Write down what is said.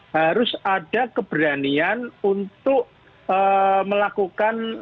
harus ada keberanian untuk melakukan